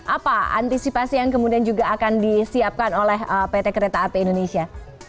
apa antisipasi yang kemudian juga akan disiapkan oleh pt kereta api indonesia